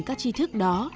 các chi thức đó